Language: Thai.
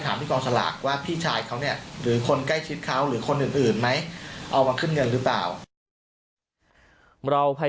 ต้องอาศัยอำนาจของตำรวจ